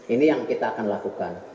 ini yang kita akan lakukan